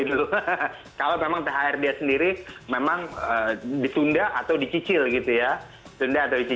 kalau memang thr dia sendiri memang ditunda atau dicicil gitu ya